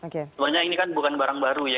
sebenarnya ini kan bukan barang baru ya